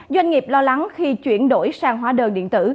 doanh nghiệp lo lắng khi chuyển đổi sang hóa đơn điện tử